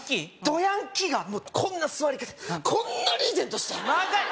どヤンキーがもうこんな座り方こんなリーゼントして長い！